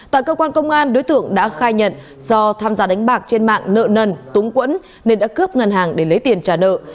tại cơ quan công an đối tượng đã khai nhận do tham gia đánh bạc trên mạng nợ nần túng quẫn nên đã cướp ngân hàng để lấy tiền trả nợ